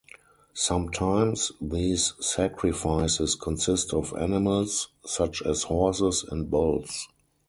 Sometimes these sacrifices consist of animals, such as horses and bulls.